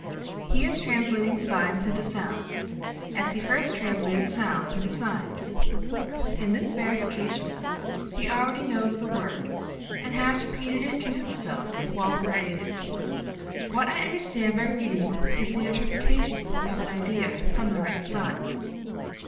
He is translating signs into sounds, as he first translated sounds into signs. In this verification he already knows the word and has repeated it to himself while writing it. What I understand by reading is the interpretation of an idea from the written signs.